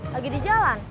lagi di jalan